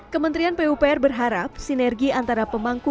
kementerian pupr berharap sinergi antara pemangku